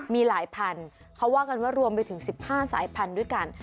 มีหลายพันธุ์เขาว่ากันว่ารวมไปถึง๑๕สายพันธุ์ด้วยกัน